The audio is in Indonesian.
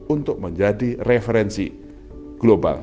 untuk menjadi referensi global